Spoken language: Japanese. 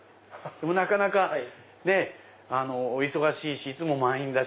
でもなかなかお忙しいしいつも満員だし。